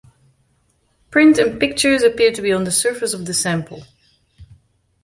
Print and pictures appear to be on the surface of the sample.